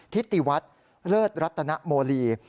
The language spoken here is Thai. ทิติวัฒน์เลิศรัตนโมลี